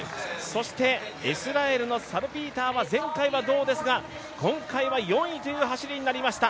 そして、イスラエルのサルピーターが前回は銅ですが今回は４位という走りになりました。